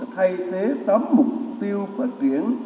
thay thế tám mục tiêu phát triển